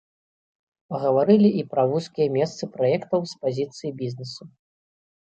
Пагаварылі і пра вузкія месцы праектаў з пазіцый бізнесу.